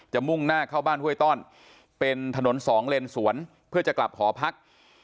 มุ่งหน้าเข้าบ้านห้วยต้อนเป็นถนนสองเลนสวนเพื่อจะกลับหอพัก